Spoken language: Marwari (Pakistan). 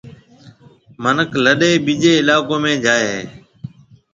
منک لڏَي ٻيجيَ علائقون ۾ جائيَ ھيََََ